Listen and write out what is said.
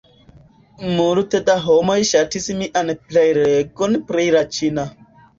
Multe da homoj ŝatis mian prelegon pri la ĉina